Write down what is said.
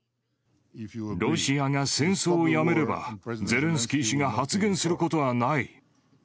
ロシアが戦争をやめれば、ゼレンスキー氏が発言することはない。